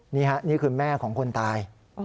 นี่ค่ะนี่คือแม่ของคนตาย